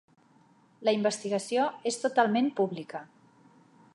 La investigació és totalment pública.